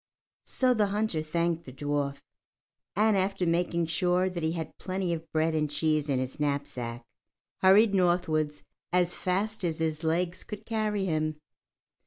So the hunter thanked the dwarf, and after making sure that he had plenty of bread and cheese in his knapsack, hurried northwards as fast as his legs could carry him.